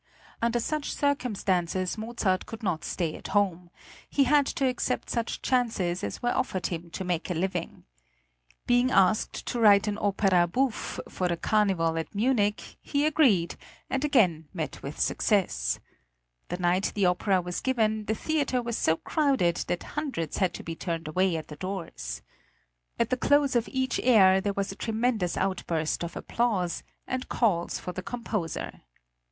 Under such circumstances Mozart could not stay at home; he had to accept such chances as were offered him to make a living. Being asked to write an opera bouffe for the carnival at Munich, he agreed, and again met with success. The night the opera was given the theatre was so crowded that hundreds had to be turned away at the doors. At the close of each air there was a tremendous outburst of applause, and calls for the composer.